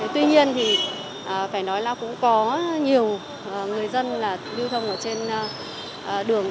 tuy nhiên thì phải nói là cũng có nhiều người dân là lưu thông ở trên đường